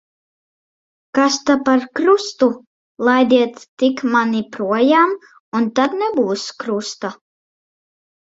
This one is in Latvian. Kas ta par krustu. Laidiet tik mani projām, un tad nebūs krusta.